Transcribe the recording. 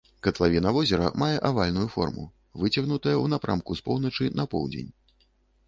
Катлавіна возера мае авальную форму, выцягнутая ў напрамку з поўначы на поўдзень.